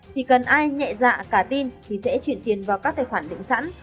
chỉ cần ai nhẹ dạ cả tin thì sẽ chuyển tiền vào các tài khoản định sẵn